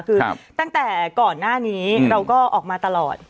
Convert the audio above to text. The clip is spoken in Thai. คือตั้งแต่ก่อนหน้านี้เราก็ออกมาตลอด